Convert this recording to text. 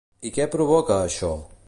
I què provoca, això?